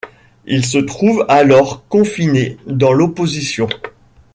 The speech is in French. Il se trouve alors confiné dans l'opposition.